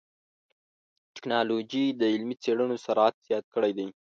ټکنالوجي د علمي څېړنو سرعت زیات کړی دی.